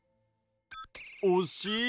おしい！